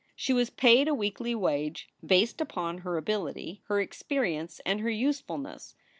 She was paid a weekly wage based upon her ability, her experience, and her usefulness.